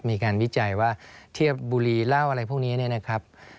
วิจัยว่าเทียบบุรีเหล้าอะไรพวกนี้เนี่ยนะครับ